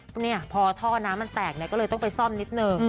ก็เนี่ยพอท่อน้ำมันแตกเนี่ยก็เลยต้องไปซ่อมนิดนึง